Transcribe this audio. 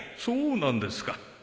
そうなんですか！